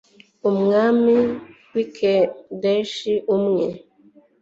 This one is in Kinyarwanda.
umwami w'i kedeshi, umwe